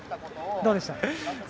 どうでした？